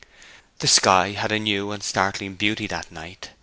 The sky had a new and startling beauty that night.